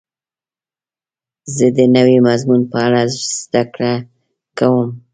زه د نوي مضمون په اړه زده کړه کوم.